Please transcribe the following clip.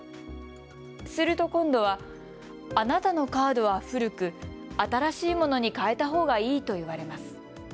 すると今度はあなたのカードは古く、新しいものにかえたほうがいいと言われます。